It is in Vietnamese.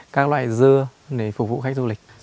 các loại dưa để phục vụ khách du lịch